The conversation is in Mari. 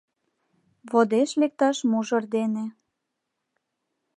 Водеш лекташ мужыр дене -